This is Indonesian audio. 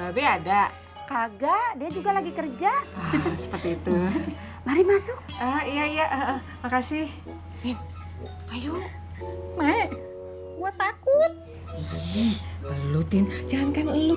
ada kagak dia juga lagi kerja seperti itu mari masuk ya ya makasih